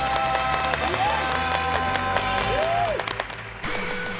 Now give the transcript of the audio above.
イエイ！